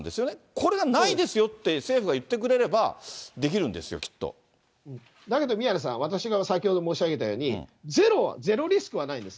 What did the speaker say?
これがないですよって、政府が言ってくれればできるんですよ、きだけど宮根さん、私が先ほど申し上げたように、ゼロ、ゼロリスクはないんです。